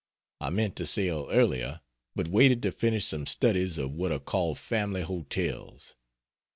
I meant to sail earlier, but waited to finish some studies of what are called Family Hotels.